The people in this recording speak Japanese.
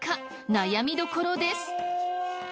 悩みどころです。